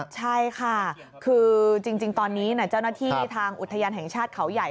ใช่ค่ะคือจริงตอนนี้เจ้าหน้าที่ทางอุทยานแห่งชาติเขาใหญ่